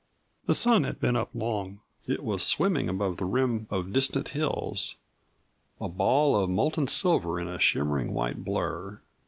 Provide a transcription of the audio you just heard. The sun had been up long; it was swimming above the rim of distant hills a ball of molten silver in a shimmering white blur.